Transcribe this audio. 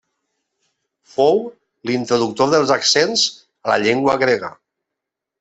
Fou l'introductor dels accents a la llengua grega.